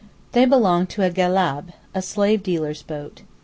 They belong to a gelláab—a slave dealer's boat.